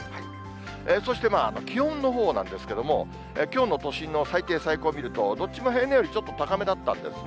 そして気温のほうなんですけれども、きょうの都心の最低、最高を見ると、どっちも平年よりちょっと高めだったんですね。